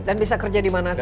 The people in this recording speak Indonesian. dan bisa kerja dimana saja